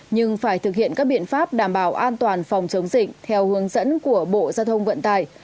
nhưng phải thực hiện các biện pháp đảm bảo an toàn phòng chống dịch theo hướng dẫn của bộ giao thông vận tải